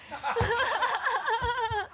ハハハ